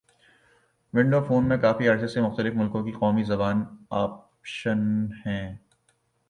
window phone میں کافی عرصے سے مختلف ملکوں کی قومی زبان آپشن ہے